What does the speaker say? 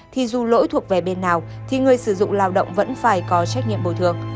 thì dù lỗi thuộc về bên nào thì người sử dụng lao động vẫn phải có trách nhiệm bồi thường